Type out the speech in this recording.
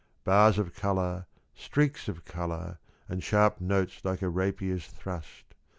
Bars of colour, streaks of colour And sharp notes like a rapier's thrust.